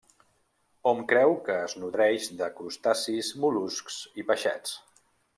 Hom creu que es nodreix de crustacis, mol·luscs i peixets.